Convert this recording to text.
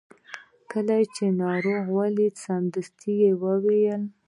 کله چې یې ناروغ ولید سمدستي یې وویل.